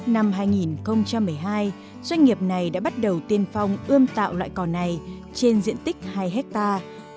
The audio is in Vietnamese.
năm hai nghìn một mươi hai doanh nghiệp này đã bắt đầu tiên phong ươm tạo loại cỏ này trên diện tích hai hectare